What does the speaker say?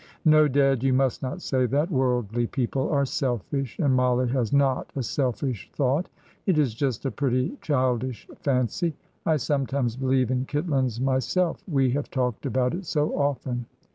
"No, dad, you must not say that. Worldly people are selfish, and Mollie has not a selfish thought. It is just a pretty, childish fancy. I sometimes believe in Kitlands myself, we have talked about it so often.